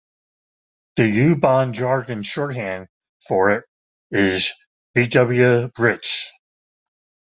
The U-Bahn jargon shorthand for it is "Bw Britz".